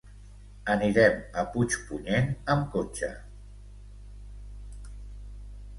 Anirem a Puigpunyent amb cotxe.